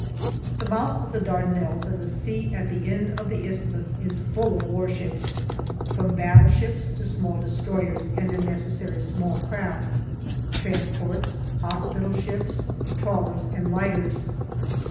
The mouth of the Dardanelles and the sea at the end of the Isthmus is full of warships, from battleships to small destroyers and their necessary small craft, transports, hospital ships, trawlers, and lighters.